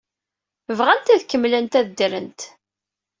Bɣant ad kemmlent ad ddrent.